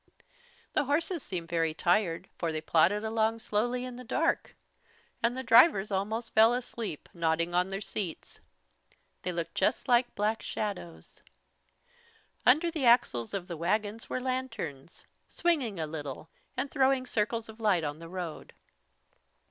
The horses seemed very tired, for they plodded along slowly in the dark, and the drivers almost fell asleep, nodding on their seats. They looked just like black shadows. Under the axles of the wagons were lanterns, swinging a little and throwing circles of light on the road.